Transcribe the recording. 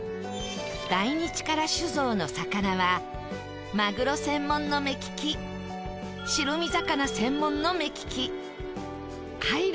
第二力酒蔵の魚はマグロ専門の目利き白身魚専門の目利き貝類